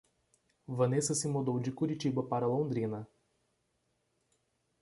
Vanessa se mudou de Curitiba para Londrina.